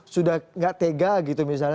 sudah tidak tega gitu misalnya